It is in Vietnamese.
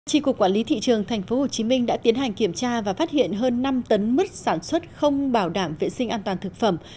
trị cục quản lý thị trường tp hcm đã tiến hành kiểm tra và phát hiện hơn năm tấn mứt sản xuất không bảo đảm vệ sinh an toàn thực phẩm